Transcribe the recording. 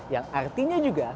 yang artinya juga